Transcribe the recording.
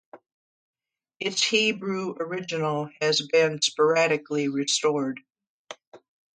Its Hebrew original has only been sporadically restored.